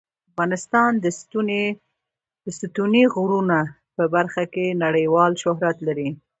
افغانستان د ستوني غرونه په برخه کې نړیوال شهرت لري.